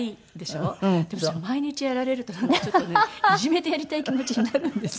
でもそれ毎日やられるとなんかちょっとねいじめてやりたい気持ちになるんですよ。